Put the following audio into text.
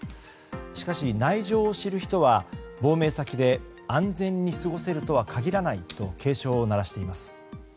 しかし、内情を知る人は亡命先で安全に過ごせるとは限らないと警鐘を鳴らしています。